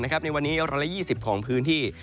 ในวันนี้๑๒๐ของพื้นที่